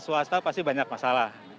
di kawasan pasti banyak masalah